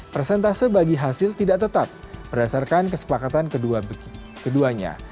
persentase bagi hasil tidak tetap berdasarkan kesepakatan keduanya